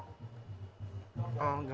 aku gak kelihat